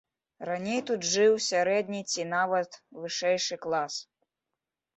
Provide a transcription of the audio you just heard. Раней тут жыў сярэдні ці нават вышэйшы клас.